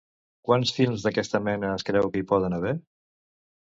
Quants films d'aquesta mena es creu que hi poden haver?